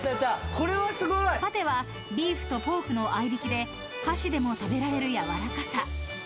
［パテはビーフとポークの合いびきで箸でも食べられるやわらかさ］